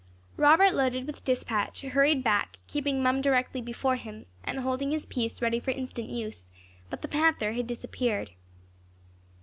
Robert loaded with dispatch, hurried back, keeping Mum directly before him, and holding his piece ready for instant use; but the panther had disappeared.